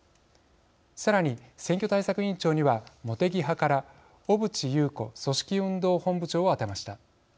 さらに選挙対策委員長には茂木派から小渕優子組織運動本部長を充てました。